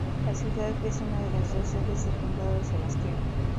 La ciudad es una de las dos sedes del condado de Sebastian.